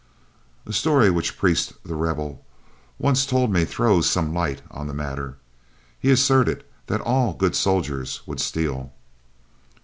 A story which Priest, "The Rebel," once told me throws some light on the matter; he asserted that all good soldiers would steal.